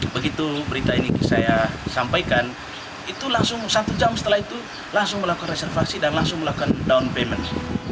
begitu berita ini saya sampaikan itu langsung satu jam setelah itu langsung melakukan reservasi dan langsung melakukan down payment